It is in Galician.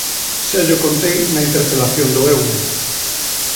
Xa llo contei na interpelación do Eume.